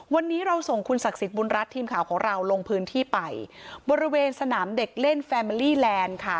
วันนี้เราส่งคุณศักดิ์สิทธิ์บุญรัฐทีมข่าวของเราลงพื้นที่ไปบริเวณสนามเด็กเล่นแฟเมอรี่แลนด์ค่ะ